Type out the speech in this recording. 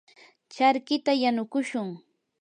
charkita yanukushun.